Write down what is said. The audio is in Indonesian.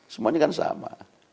semuanya kan sama